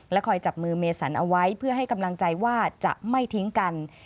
คอยจับมือเมสันเอาไว้เพื่อให้กำลังใจว่าจะไม่ทิ้งกัน